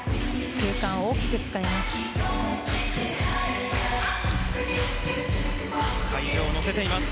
空間を大きく使います。